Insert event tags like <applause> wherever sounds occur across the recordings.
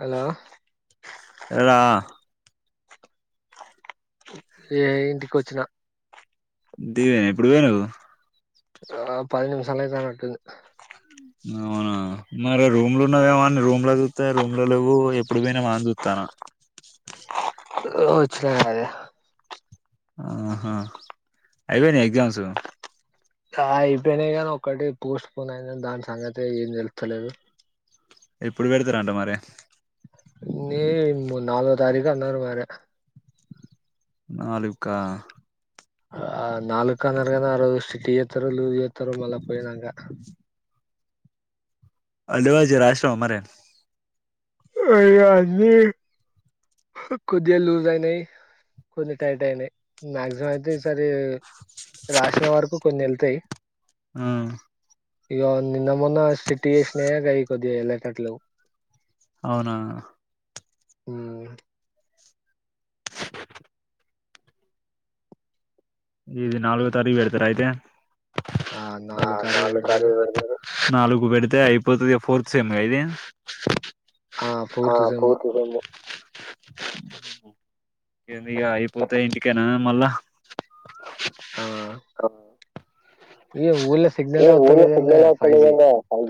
Hello రా ఏ ఇంటికి వచ్చిన దీవేనా ఎప్పుడు పోయినవు ఆ పది నిమిషాలయితానట్టుంది అవునా మరి రూమ్లున్నావేమో అని రూమ్ లో చూత్తే రూమ్ లో లెవ్వు ఎప్పుడు పోయినావా అని చూత్తన వచ్చిన అదే ఆహా అయిపోయినాయా ఎగ్జామ్స్ ఆ అయిపోయినాయి కాని ఒక్కటి పోస్ట్ పోన్ అయిన దాని సంగతే ఏం తెలుత్తలేదు ఎప్పుడు పెడుతురంట మరీ మేమ్ నాలుగో తారీఖు అన్నర మర నాలుక్కా ఆ నాలుక్కన్నరుగన ఆరోజు స్ట్రిట్ చేత్తరో లూజ్ చేత్తరో మళ్ళా పోయినంక అ లేవాజ రాసినవ మరియు ఆ ఇగ అన్ని కొద్దిగా లూజ్ అయినాయి కొన్ని టైట్ అయినాయి మాక్సిమం అయితే ఈసారి రాసిన వరకు కొన్ని వెళ్తాయి ఆ ఇక నిన్న మొన్న స్ట్రిక్ట్యేషన్కయి ఈ కొద్ది ఎలాకట్లు అవునా ఊ ఇది నాలుగ తారీఖు వెడతార అయితే నాలు నాలుగు తారీకు పెడతారు నాలుగు పెడితే అంత ఇయిపోతది ఫోర్త్ సేమ్మా ఇది ఆ ఫోర్త్ సేమ్ ఊహు ఇంగ అయిపోతే ఇంటికేనా మళ్ళా ఆ ఏవ్ ఊల్లె సిగ్నలే ఊర్లో సిగ్నల్ వత్తలేదేందయ్య ఫైవ్ జి వస్తలేదేందో ఫైవ్ జీ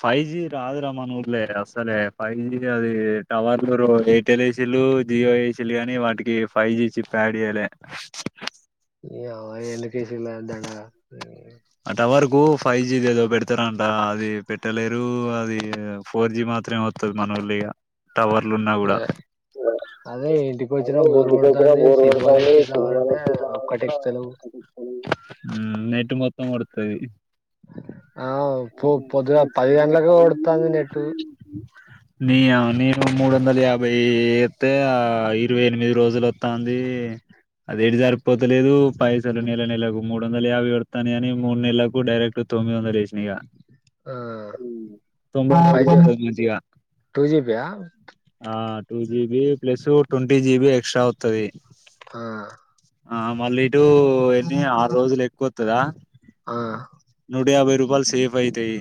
ఫైవ్ జి రాదురా మన ఊర్లే అసలే ఫైవ్ జి అది టవర్లు ఎయిర్టెల్ ఏసీలు జియో ఏసీలు గాని వాటికి ఫైవ్ జీ చిప్ యాడ్ ఇయ్యాలె నీ యవ్వా ఎందుకేసిల్లు దండగ. ఆ టవర్కు ఫైవ్ జీది ఏదో పెడతారాంట అది పెట్టలేరు అది ఫోర్ జి మాత్రే వస్తది మనుల్లో ఈగ. టవర్లు ఉన్న కూడా ఏ, అదే ఇంటికి వచ్చినా టవర్ బోర్ ఇంటికి వచ్చిన కొడతాంది బోర్ సినిమాలు కోడుతాది సినిమా ఎక్కిద్దామంటే చూద్దాం ఒక్కటి అన్న ఎక్కుతలేవు హ్మ్ నెట్ మొత్తం. ఏయ్. ఆవ్ పొ పొద్దున పది గంటలకు కొడుతుంది నెట్టు. నీయవ్వ నేను మూడు వందల యాభైతే ఆ ఇరవై ఎనిమిది రోజులు వస్తాంది అదేటి జరిపోతలేదు పైసలు నెల నెలలకు మూడు వందల యాభై కడతాను కాని మూడు నెలలకు డైరెక్ట్ తొమ్మిది వంద. ఈగ ఆ హ్మ్ ఫైవ్ జీ <unintelligible> టూ జీబీ యా ఆ two GB plus twenty GB extra వొత్తాది. ఆ ఆ మళ్ళీ. ఇటు ఎన్ని ఆరు రోజులు ఎక్కువత్తద ఆ నూట యాభై రూపాయలు సేఫ్ అయితాయి.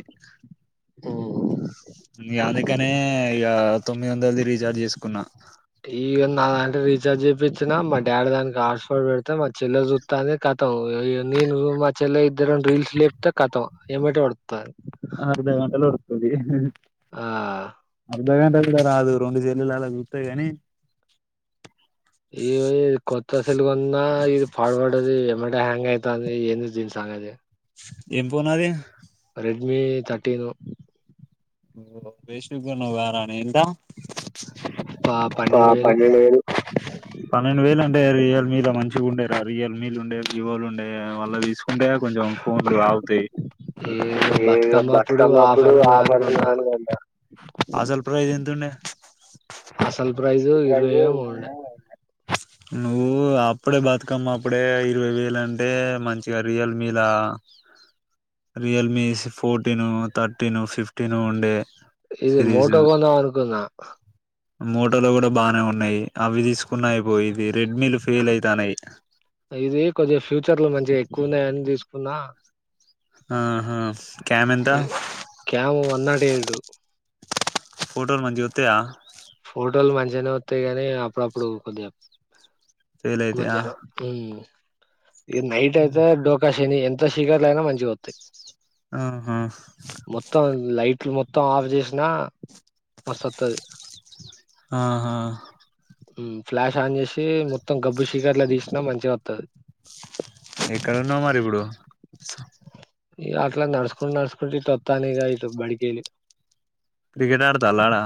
సు స్. ఉ అందుకనే ఇగ తొమ్మిది వందలది రీఛార్జ్ చేసుకున్నా. ఈ నా దంటే రీచార్జ్ చేపించిన మా డాడీ దానికి హస్ఫడ్ పెడితే మా చెల్లె చుతానే కతం నేను మా చెల్లె ఇద్దరు రీల్స్ లేపితే కతం ఏమటే ఎడుస్తాది. అర్ద గంటల ఒడుస్తాది. ఆ అర్ద గంట కూడా రాదు రెండు సెల్లులా చూస్తేగాని. ఈగో ఇగ కొత్త సెల్ కొన్న ఇది పడువడ్డది ఏమటే హ్యాంగ్ అయితాది ఏంది దీని సంగతి. ఏం పోన్ అది. Redmi thirteen. ఓ వెస్ట్గా కొన్నవు గారానే వస్థాబ్ ఆ పన్నెండు వేలు పన్నెండు వేలు అంటే అది రియల్ మీ మంచిగా ఉండే రా రియల్ మీ ఉండే వివోలుండే వాళ్ళ తీసుకు. ఉంటే కొంచెం ఫోన్లు ఆగుతాయి ఏ బతుకమ్మ అప్పుడు ఆఫర్ ఉన్నాయ్ అని కొన్నా అసలు ప్రైజ్ ఎంతుండే. అసల్ ప్రైజ్ ఇరవై ప్రైస్ ఉండే వేలు నువ్వు అప్పుడే బతుకమ్మ అప్పుడే ఇరవై వేలు అంటే మంచిగా రియల్మీలా రియల్మీ ఫోర్టీను థర్టీను ఫిఫ్టీను ఉండే. ఇది మోటో కొందాం అనుకున్నా మోటోలు కూడా బాగానే ఉన్నాయి అవి తీసుకున్నా అయిపోయిది రెడ్మీలు ఫెయిల్ అయితనయ్ ఇది కొంచెం ఫ్యూచర్ లో మంచిగా ఎక్కువ ఉన్నాయన్ తీసుకున్నా ఆ హా క్యామ్ ఎంత న్నాట్ ఎడు ఫోటోలు మంచి గొత్తయా ఫోటోలు మంచిగానే వత్తయి గానీ అప్పుడప్పుడు కొద్దిగా ఫెయిల్ అయితయా మంచిగరావ్ ఇది నైట్ అయితే డోకా శని ఎం త్త శీకట్లైనా మంచిగొత్తయ్ ఆహా మొత్తం లైట్లు మొత్ త్తం ఆఫ్ జేసినా మస్తు వత్తది ఆహా మ్మ్ ఫ్లాష్ ఆన్ చేసి మొత్తం గబ్బు శీకట్లా తీసినా మంచిగత్తది ఎక్కడున్నావ్ మరి ఇపుడు ఈ అట్లా నడస్కొం నడస్కొంట ఇట్ వత్తాను ఇగ ఇటు బడికేలి క్రికెట్ ఆడతాల్ల ఆడా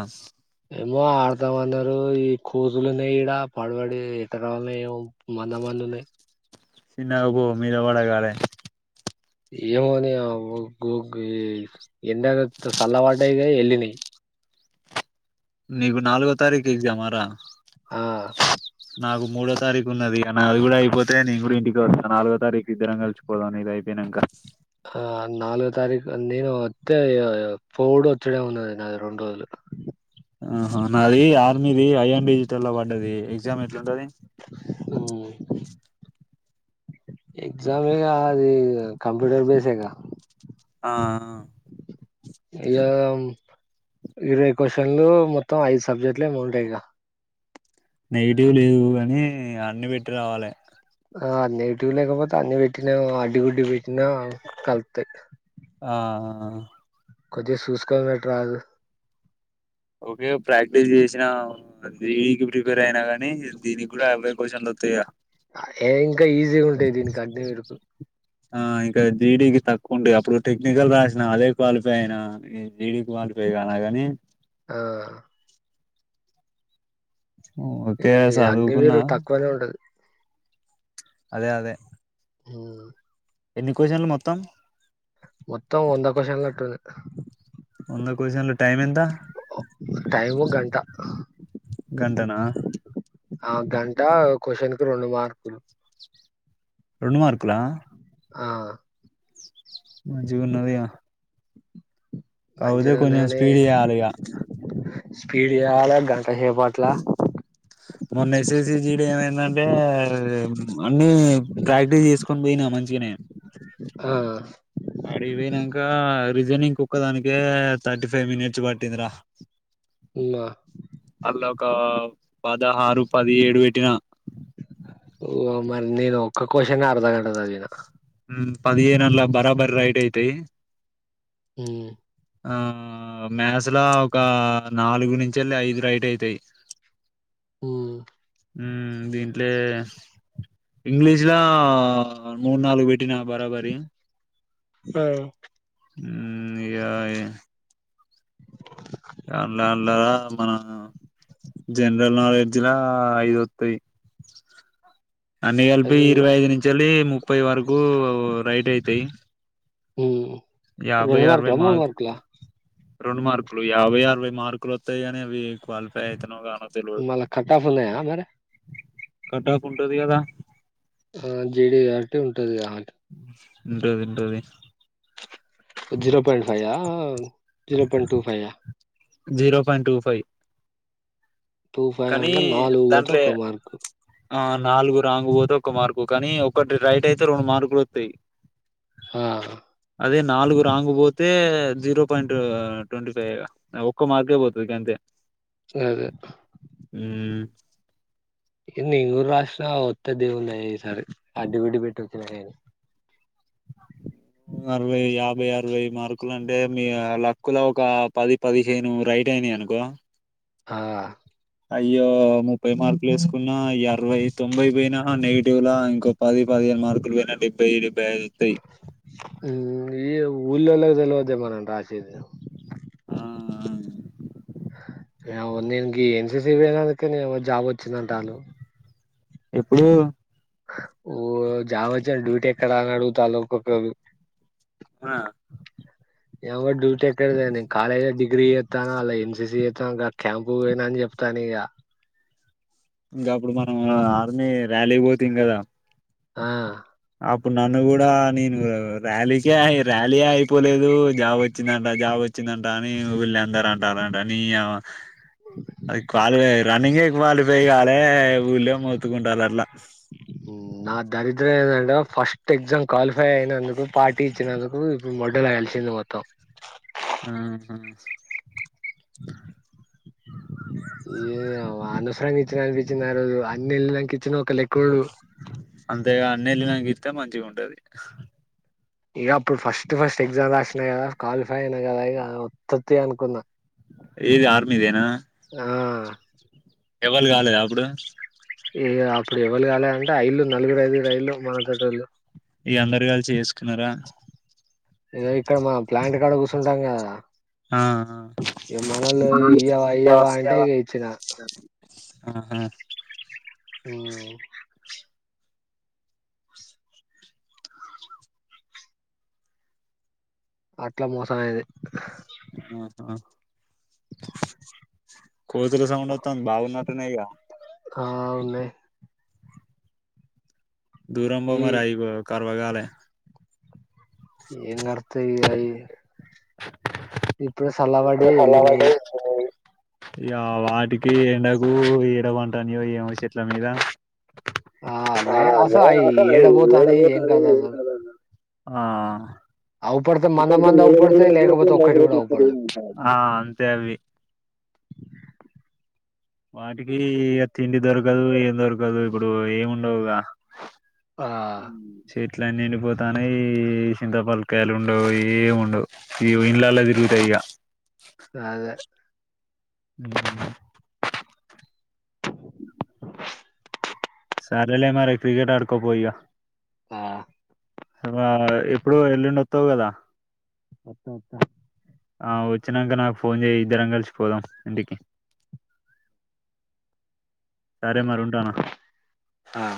ఏమో ఆడతామన్నారు ఈ కోతులున్నాయ్ ఈడ పడబడి ఎట్టరావాళ్నో ఏమో మంద మంద ఉన్నాయ్ సిన్నగ పో మీద వడ గాలె ఏమోని ఆ ఓ గో గీ ఎండగాత్త చల్లబడ్డాయిగ వెళ్ళినయ్ నీగు నాలుగో తారీఖు ఎగ్జామ రా ఆ నాకు మూడో తారీఖు ఉన్నది నాది కూడా అయిపోతే నేను కూడా ఇంటికి వస్తాను నాలుగో తారీఖు ఇద్దరం కలుచుకోదాం నీది అయిపేయినాంక ఆ నాలుగో తారీఖు నేను వత్తే పోవుడు వచ్చుడే ఉన్నది నాది రెండు రోజులు ఆహా నాది ఆర్మీది అయాన్ డిజిటల్ ల్లో వడ్డది ఎగ్జామ్ ఎట్లుంటది ఎగ్జామేగా అది కంప్యూటర్ బేసేగ ఆ ఆ ఇగ ఇరవై క్వశ్చన్లు మొత్తం ఐదు సబ్జెక్ట్లు ఏమో ఉంటాయి గ నెగిటివ్ లేవు కాని అన్ని వెట్టి రావాలె ఆ నెగిటివ్ లేకపోతే అన్ని వెట్టినా అడ్డిగుడ్డి పెట్టినా కలుత్తాయ్ ఆ ఆఆ కొద్దిగ సూసుకో పెట్టరాదు ఓకే ప్రాక్టీస్ చేసినా దీనికి ప్రిపేర్ అయినా గానీ ఇస్ దీనికి కూడా అవే క్వశ్చన్లు వస్తాయ ఏ ఇంకా ఈజీ ఉంటాయి దీనికి అడ్ని మరుకు ఆ ఇంకా జీడీకి తక్కువ ఉంటది అప్పుడు టెక్నికల్ రాసిన అదే క్వాలిఫై అయినా జీడీ క్వాలిఫై కాలేగాని ఆ ఓకే ఈ చదువుకున్నా అగ్నివీరు తక్కువనే ఉండదు అదే అదే హ్మ్ ఎన్ని కొషన్లు మొత్తం మొత్తం వంద క్వశ్చన్ నట్టుంది వంద కోశన్లు టైమ్ ఎంత టైము గంట గంటనా ఆ గంట క్వశ్చన్ కి రెండు మార్కులు రెండు మార్కులా ఆ కవుద మంచిగా కొంచం ఉన్నాయని స్పీడ్ చేయాలిగా స్పీడ్ చేయాలే గంటసేపట్ల మొన్న ఎస్ ఎస్ సి జీడి ఏమైందంటే అన్ని ప్రాక్టీస్ చేసుకొని పోయినా మంచిగనే ఆ అడిపోయినాంక రీజనింగ్ కుక్క దానికే థర్టీ ఫైవ్ మినిట్స్ పట్టిందిరా ఉమ్, అల్లొకా పద ఆరు పది ఏడు బెటిిన ఓ మరి నేను ఒక్క క్వశ్చన్ అర్ధ గంట చదివిన మ్మ్ పదిహేనళ్ల బరాబరి రైడ్ అయితాయి మ్మ్ ఆ మ్యాస్ లో ఒక నాలుగు నుంచిళ్లే ఐదు రైట్ అయితాయి ఉమ్ మ్మ్ దిన్ ట్లే ఇంగ్లీష్లా మూడు నాలుగు బెట్టిన బరాబరి ఆ మ్మ్ నియాయే మన జనరల్ నాలెడ్జ్లా ఐదు వత్తయి అన్ని కలిపి అది ఇరవై ఐదు నుంచెల్లి ము పోయవారు గో రైట్ అయితాయి మ్మ్ యాభై రెండు మార్కులా అరవై మూడు మార్కులు మార్కులా రెండు మార్కులు యాభై అరవై మార్కులు వత్తయనేవి క్వాలిఫై అయితన్నావు గా మల్ల కట్టాఫ్ ఉన్నాయ మరి కట్టా ఫ్ ఉంటది గదా ఆ జేడీ యాక్టివ్ ఉంటది ఉంటది జీరో పాయింట్ ఫై యావ్ zero point two five zero point two five two five కానీ అంటే నాలుగు వోతే దాంట్లో ఒక్క మార్క్ ఆ నాలుగు రాంగు పోతే ఒక్క మార్కు కానీ ఒకటి రైట్ అయితే రెండు మార్కులు వత్తయ్ ఆ అదే నాలుగు రాంగు పోతే జీరో పాయింట్ ట్వంటీ ఫైవ్ ఒక్క మార్కే పోతదిక అంతే అదే మ్మ్ ఏన్ని ఇంగూరు రాసిన వత్తే దేవునిదయ ఈసారి అడ్డివిడ్డి పెట్టి వచ్చినా నేను మ్ అరవై యాభై ఆర్ ఇరవై మార్కులు అంటే మీ యాల క్కుల ఒక పది పదిహేను రైట్ అయినయ్ అనుకో ఆ అయ్యో ముప్పై మార్కులు వేసుకున్నా అరవై తొంభై పోయినా నెగిటివ్లా ఇంకో పది పదిహేను మార్కులు పోయినా డెబ్బై ఏడు వెేల్ తయ్ ఉమ్, ఈ ఊల్లోలగ్ తెలవద్దే మనం రాసేది ఆ ఏవో నేను గీ ఎన్సిసి పోయినాకైతే నేమో జాబ్ వచ్చింది అంటాళ్ళు ఎప్పుడు ఓ జావొచ్చె డ్యూటీ ఎక్కడ అని అడుగుతాళ్లు ఒక్కొక్కళ్లు ఆ ఏవో డ్యూటీ ఎక్కడిదె నేను కాలేజ్ డిగ్రీ ఎత్తాన అల్ల ఎన్సిసి ఎత్తాన క్యాంప్ వోనాని జెప్తాను ఇగ ఇంగ అప్పుడు మనం ఆర్మీ ర్యాలీకి వోతిం గదా ఆ అప్పుడు నన్ను కూడా నేను ర్యాలీకే ర్యాలీ అయిపోలేదు జాబ్ వచ్చిందంట జాబ్ వచ్చిందంట అని ఊల్లి అందరు అంటరంట నీయవ్వ అది కాలు వే రన్నింగే వాళ్ళు వేగాలె మ్మ్ నా దరిద్రం ఏందంటే ఫస్ట్ ఎగ్జామ్ క్వాలిఫై అయినందుకు పార్టీ ఇచ్చినందుకు ఇప్పుడు <unintelligible> కలిసింది మొత్తం ఆహ ఏ అనసరంగా ఇచ్చిన అనిపిచ్చింది ఆ రోజు అన్ని వెళ్ళినాంక ఇచ్చిన ఒక లెక్కుండు అంతేగా అన్ని వెళ్లినాంగిత్తే మంచి గుంటది ఇగ అప్పుడు ఫస్టు ఫస్ట్ ఎగ్జామ్ రాసినా గదా క్వాలిఫై అయినా గదా ఇగ వొత్తుత్తే అనుకున్నా ఏది ఆర్మీదేనా ఆ ఎవళ్లు కాలేద అప్పుడు ఇగ అప్పుడు ఎవ్వళు కాలే అంటే ఐల్లు నలుగురు ఐదుగురు ఐల్లు మనతోటొళ్లు ఇగ అందరు కలిసి చేసుకున్నారా ఏదొ ఇక్కడ మా ప్లాంట్ కాడ కూస్సుంటాం గదా ఆ ఇ మనలు ఇయ్యవా ఇయ్యవా అంటే ఇగ ఇచ హహ అ అట్లా మోసం అయది అహ కొతుల సౌండ్ అతంది భాగున్న వున్నాయ్గ హా ఉన్నాయి దురమ్బో ఈ మరయి కర్ రోగలే ఎం కరుతాయి ఇగ ఇప్పుడు సల్లబడ్డయి సల ఎళ్ళినయి వడే ఎలినాయ్ ఇ వాటికి ఎండకు ఏడ వంటానియో ఏమో చెట్ల మీద ఆ నయ అసలు జసా అయి అ ఏ ఏం ఏడబోతానయి కాద కథ ఏం అసలు కాదా ఆ అవుపడతే మంద మంద అవుపడతయి లేకపోతే ఒక్కటి కూడా అవుపడదు <unintelligible> అంతే అవి వాటికి ఇక తిండి దొరకదు ఏం దొరకదు ఇప్పుడు ఏమి ఉండవుగా ఆ ఇట్లా నిండిపోతానే ఈ చింతాపలకాయలు ఉండవు ఏమి ఉండవు ఈ ఇండ్లలల తిరుగుతాయి ఇక అదే ఊమ్ ఉ సారలే మర క్రికట్ అడకపో ఇగ ఆ ఆ ఎప్పుడు ఎల్లుండి వత్తవు కదా వత్తా వత్తా వచ్చినాక నాకు ఫోన్ చే ఇద్దరం కలిసిపోదాం ఇంటికి సరే మరి ఉంటానా ఆ